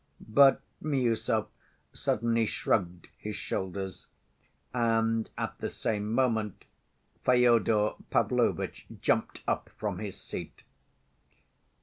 But Miüsov suddenly shrugged his shoulders. And at the same moment Fyodor Pavlovitch jumped up from his seat.